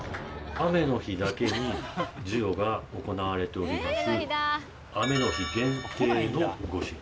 雨の日だけに授与が行われております。